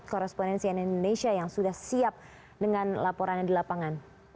korespondensi nn indonesia yang sudah siap dengan laporannya di lapangan